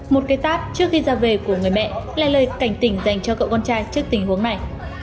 một cái tát trước khi ra về của người mẹ là lời cảnh tỉnh dành cho cậu con trai trước tình huống này